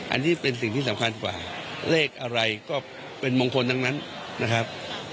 อันนี้เป็นสิ่งที่สำคัญกว่าเลขอะไรก็เป็นมงคลทั้งนั้นนะครับ